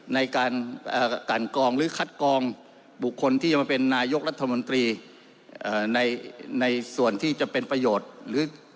ในการกันกองหรือคัดกองบุคคลที่จะมาเป็นนายกรัฐมนตรีในส่วนที่จะเป็นประโยชน์หรือ